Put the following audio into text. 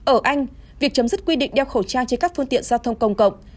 ở anh việc chấm dứt quy định đeo khẩu trang trên các phương tiện giao thông công cộng